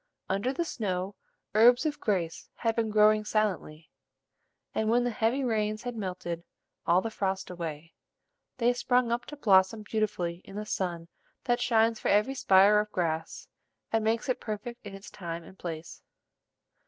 Under the snow, herbs of grace had been growing silently; and, when the heavy rains had melted all the frost away, they sprung up to blossom beautifully in the sun that shines for every spire of grass, and makes it perfect in its time and place.